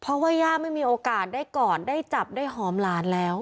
เพราะว่าย่าไม่มีโอกาสได้กอดได้จับได้หอมหลานแล้ว